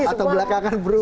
atau belakangan berubah